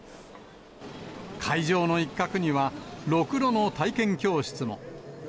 会場の一角には、ろくろの体験教室も。